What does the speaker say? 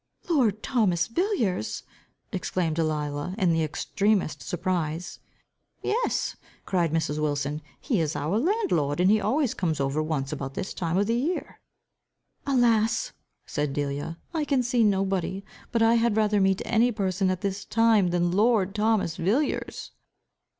"Lord Thomas Villiers!" exclaimed Delia, in the extremest surprise. "Yes," cried Mrs. Wilson. "He is our landlord, and he always comes over once about this time of the year." "Alas," said Delia, "I can see nobody. But I had rather meet any person at this time, than lord Thomas Villiers."